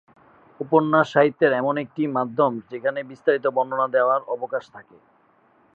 উপন্যাস সাহিত্যের এমন একটি মাধ্যম যেখানে বিস্তারিত বর্ণনা দেওয়ার অবকাশ থাকে।